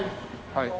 はい。